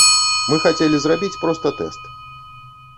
Мы хацелі зрабіць проста тэст.